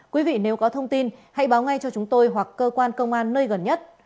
quý vị nếu có thông tin hãy báo ngay cho chúng tôi hoặc cơ quan công an nơi gần nhất